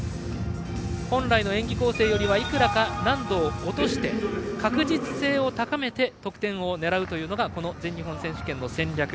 本来の演技構成からいくらか難度を落として確実性を高めて得点を狙うというのが全日本選手権の戦略。